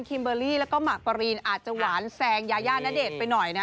เบอร์รี่แล้วก็หมากปรีนอาจจะหวานแซงยายาณเดชน์ไปหน่อยนะ